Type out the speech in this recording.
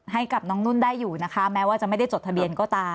ให้กับน้องนุ่นได้อยู่นะคะแม้ว่าจะไม่ได้จดทะเบียนก็ตาม